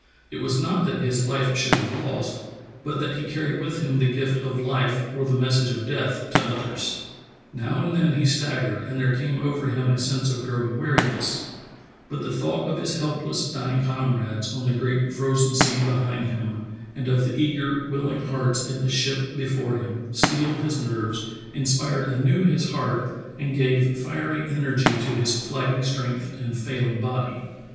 It was not that his life should be lost, but that he carried with him the gift of life or the message of death to others. Now and then he staggered and there came over him a sense of growing weariness, but the thought of his helpless, dying comrades on the Great Frozen Sea be hind him, and of the eager, willing hearts in the ship before him, steeled his nerves, inspired anew his heart, and gave fiery energy to his flagging strength and fail ing body.